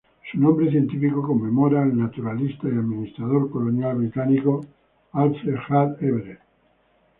Su nombre científico conmemora al naturalista y administrador colonial británico Alfred Hart Everett.